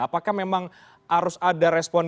apakah memang harus ada respon